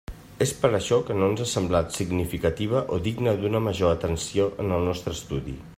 És per això que no ens ha semblat significativa o digna d'una major atenció en el nostre estudi.